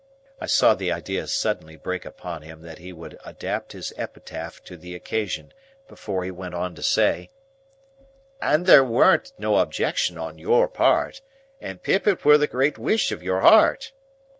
(I saw the idea suddenly break upon him that he would adapt his epitaph to the occasion, before he went on to say) "And there weren't no objection on your part, and Pip it were the great wish of your hart!"